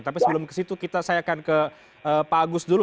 tapi sebelum ke situ saya akan ke pak agus dulu